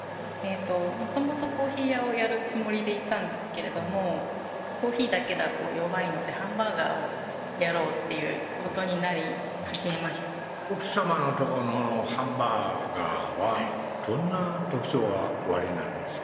もともとコーヒー屋をやるつもりでいたんですけれどもコーヒーだけだと弱いのでハンバーガーをやろうっていうことになり始めました奥さまのとこのハンバーガーはどんな特徴がおありになるんですか？